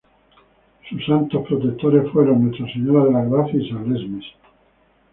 Sus santos protectores fueron Nuestra Señora de la Gracia y San Lesmes.